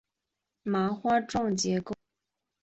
卷曲螺旋互相缠绕形成麻花状结构。